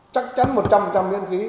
chắc chắn một trăm linh miễn phí